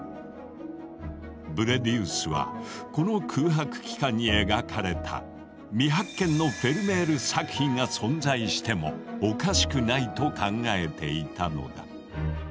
ブレディウスはこの空白期間に描かれた未発見のフェルメール作品が存在してもおかしくないと考えていたのだ。